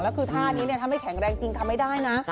แล้วคือท่านี้ถ้าไม่แข็งแรงจริงทำไม่ได้นะ